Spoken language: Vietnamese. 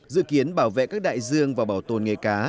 dự kiến bảo vệ các đại dương và bảo tồn nghề cá